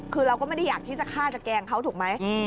คือเราก็ไม่ได้อยากที่จะฆ่าจะแกล้งเขาถูกไหม